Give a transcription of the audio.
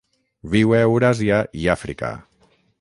Viu a Euràsia i Àfrica.